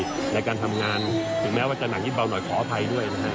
ในการทำงานถึงแม้ว่าจะหนักนิดเบาหน่อยขออภัยด้วยนะฮะ